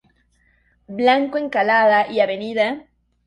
Blanco Encalada y Av.